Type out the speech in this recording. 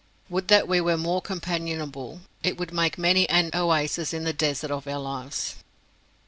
Would that we were more companionable, it would make many an oasis in the desert of our lives.